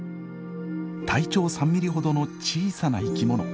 体長３ミリほどの小さな生き物。